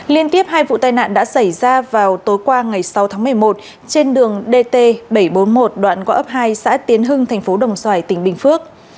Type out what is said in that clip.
liên tiếp hai vụ tai nạn đã xảy ra vào tối qua ngày sáu tháng một mươi một trên đường dt bảy trăm bốn mươi một đoạn qua ấp hai xã tiến hưng thành phố đồng xoài tỉnh bình phước